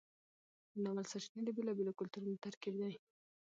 د ناول سرچینې د بیلابیلو کلتورونو ترکیب دی.